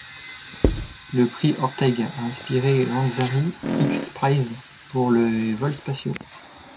Le Prix Orteig a inspiré l'Ansari X Prize pour les vols spatiaux.